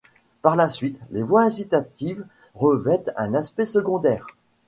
Par suite, les voies incitatives revêtent un aspect secondaire.